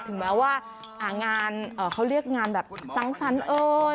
ถึงแม้ว่างานเขาเรียกงานแบบสังสรรค์เอ่ย